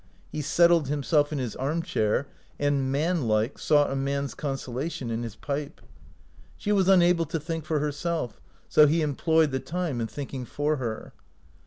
He settled himself in his arm chair, and, man like, sought a man's consola tion in his pipe. She was unable to think for herself, so he employed the time in think ing for her.